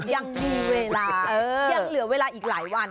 ยังมีเวลายังเหลือเวลาอีกหลายวัน